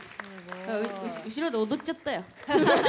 後ろで踊っちゃったよ。